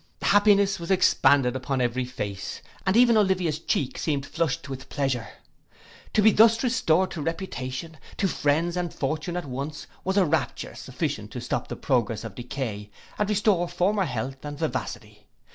Happiness was expanded upon every face, and even Olivia's cheek seemed flushed with pleasure. To be thus restored to reputation, to friends and fortune at once, was a rapture sufficient to stop the progress of decay and restore former health and vivacity.